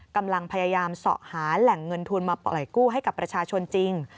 กำลังพยายามเสาะหาแหล่งเงินทุนมาปล่อยกู้ให้กับประชาชนจริง